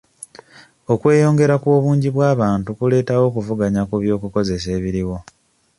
Okweyongera kw'obungi bw'abantu kuleetawo okuvuganya ku by'okukozesa ebiriwo.